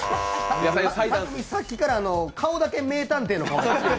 さっきから顔だけ名探偵の顔してる。